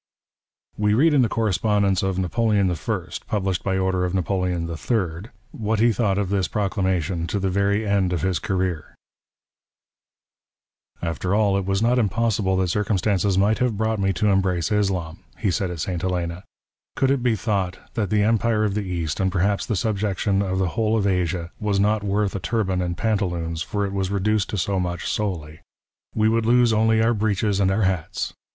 We read in the correspondence of Napoleon I., published NAPOLEON AND FREEMASONRY. 47 by order of Napoleon III. (t. v., pp. 185, 191, 241), what he thought of this proclamation to the very end of his career :—" After all, it was not impossible that circumstances miglit '' have brought me to embrace Islam," he said at St. Helena. " Could it be thought that the Empire of the East, and perhaps ^' the subjection of the whole of Asia, was not worth a turban and '' pantaloons, for it was reduced to so much solely. We would '' lose only our breeches and our hats.